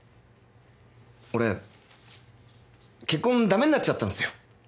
俺結婚駄目になっちゃったんすよ。